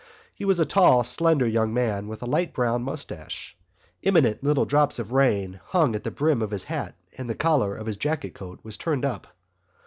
He was a tall, slender young man with a light brown moustache. Imminent little drops of rain hung at the brim of his hat and the collar of his jacket coat was turned up.